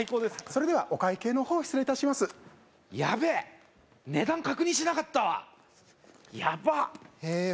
それではお会計の方失礼いたしますやべえ値段確認しなかったわやばっえっ